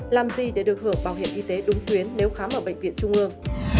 làm gì để được hưởng bảo hiểm y tế đúng tuyến nếu khám ở bệnh viện trung ương